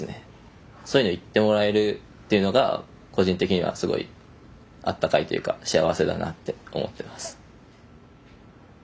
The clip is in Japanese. そういうのを言ってもらえるっていうのが個人的にはすごいあったかいというか幸せだなって思ってます。